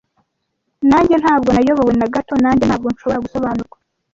Nanjye ntabwo nayobowe na gato, nanjye ntabwo nshobora gusobanurwa,